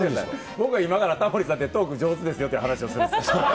僕が今からタモリさんって、トーク上手ですよっていう話をするんです。